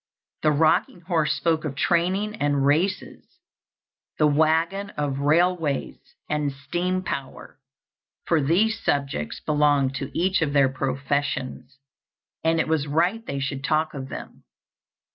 The rocking horse spoke of training and races; the wagon of railways and steam power, for these subjects belonged to each of their professions, and it was right they should talk of them.